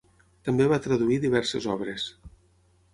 També va traduir diverses obres.